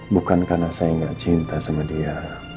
bukan karena saya nggak cinta sama dia